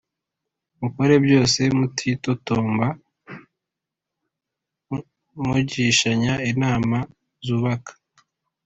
Mukore byose mutitotomba mugishanya inama zubaka